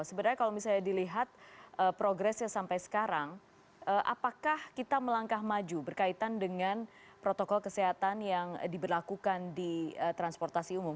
sebenarnya kalau misalnya dilihat progresnya sampai sekarang apakah kita melangkah maju berkaitan dengan protokol kesehatan yang diberlakukan di transportasi umum